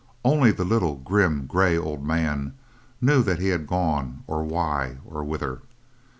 Only the little grim, gray, old man knew that he had gone, or why, or whither.